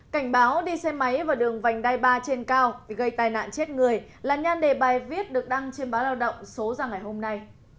cảnh báo đi xe máy vào đường vành đai ba trên cao vì gây tai nạn chết người là nhan đề bài viết được đăng trên báo lao động số ra ngày hôm nay